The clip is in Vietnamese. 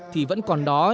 thì vẫn còn đó